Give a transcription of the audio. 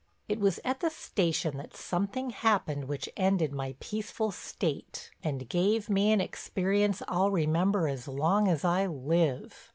It was at the station that something happened which ended my peaceful state and gave me an experience I'll remember as long as I live.